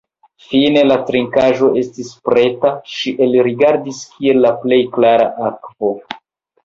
Fine la trinkaĵo estis preta; ŝi elrigardis kiel la plej klara akvo.